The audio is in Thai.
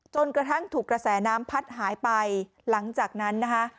จนกระทั่งถูกกระแสน้ำพัดหายไปหลังจากนั้นนะคะ